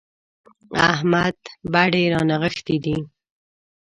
احمد بډې رانغښتې دي.